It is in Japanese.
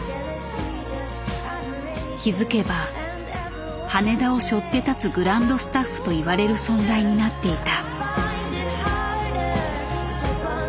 気付けば羽田をしょって立つグランドスタッフといわれる存在になっていた。